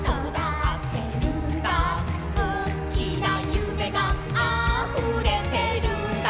「おっきな夢があふれてるんだ」